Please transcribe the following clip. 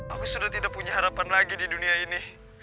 aku sudah tidak punya harapan lagi di dunia ini